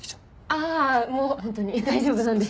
ああもう本当に大丈夫なんで。